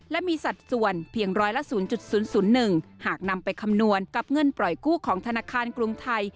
และมีสัดส่วนเพียงร้อยละ๐๐๑หากนำไปคำนวณกับเงินปล่อยกู้ของธนาคารกรุงไทย